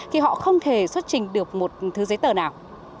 thì họ không thể xuất trình được một thứ giấy tờ nào